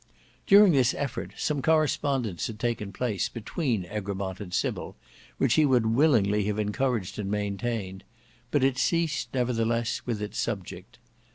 During this effort some correspondence had taken place between Egremont and Sybil, which he would willingly have encouraged and maintained; but it ceased nevertheless with its subject.